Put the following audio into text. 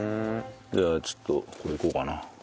じゃあちょっとこれいこうかな。